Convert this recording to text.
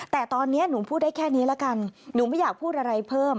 แต่ตอนนี้หนูพูดได้แค่นี้ละกันหนูไม่อยากพูดอะไรเพิ่ม